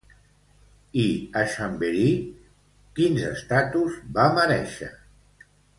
I a Chambéry quins estatus va merèixer?